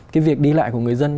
cái việc đi lại của người dân